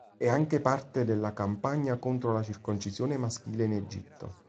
È anche parte della campagna contro la circoncisione maschile in Egitto.